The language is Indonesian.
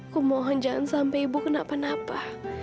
kumohon jangan sampai ibu kena penapa